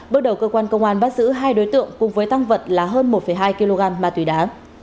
bước đầu cơ quan công an bắt giữ hai đối tượng cùng với tăng vật là hơn một hai kg ma túy đá